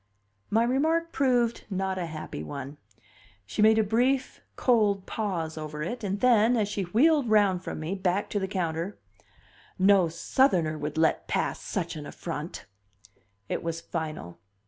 My remark proved not a happy one. She made a brief, cold pause over it, and then, as she wheeled round from me, back to the counter: "No Southerner would let pass such an affront." It was final.